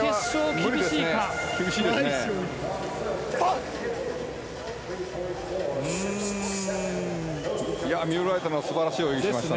厳しいですね。